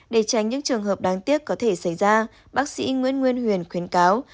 để tránh những trường hợp đáng tiếc có thể xảy ra bác sĩ nguyễn nguyên huyền khuyến cáo